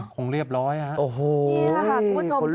คงเรียบร้อยครับโอ้โฮขนลุกขนลุกนี่แหละค่ะคุณผู้ชม